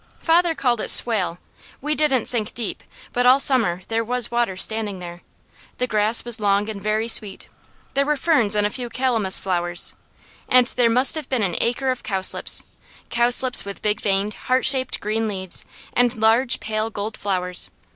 Father called it swale. We didn't sink deep, but all summer there was water standing there. The grass was long and very sweet, there were ferns and a few calamus flowers, and there must have been an acre of cowslips cowslips with big veined, heartshaped, green leaves, and large pale gold flowers.